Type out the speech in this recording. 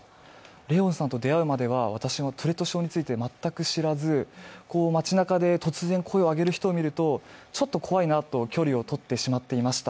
怜音さんと出会うまでは、私もトゥレット症について全く知らず街なかで突然声を上げる人を見るとちょっと怖いなと距離をとってしまっていました。